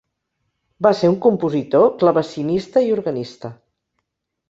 Va ser un compositor, clavecinista i organista.